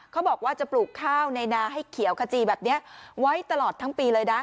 เขาบอกว่าจะปลูกข้าวในนาให้เขียวขจีแบบนี้ไว้ตลอดทั้งปีเลยนะ